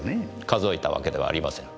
数えたわけではありません。